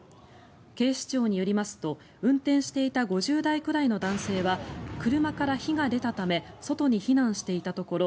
警視庁によりますと運転していた５０代くらいの男性は車から火が出たため外に避難していたところ